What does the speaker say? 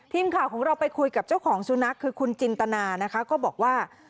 ทีมข่าวของเราไปคุยกับเจ้าของสุนัขคือคุณจินตนานะคะก็บอกว่า